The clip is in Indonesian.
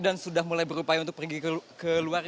dan sudah mulai berupaya untuk pergi ke luar